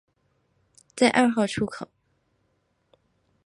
在二号出口